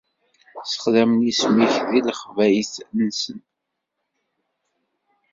Ssexdamen isem-ik di lexbayet-nsen.